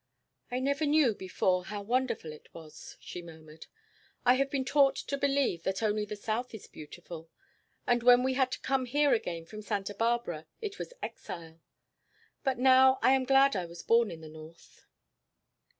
"I never knew before how wonderful it was," she murmured. "I have been taught to believe that only the south is beautiful, and when we had to come here again from Santa Barbara it was exile. But now I am glad I was born in the north."